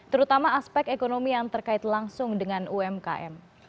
terutama aspek ekonomi yang terkait langsung dengan umkm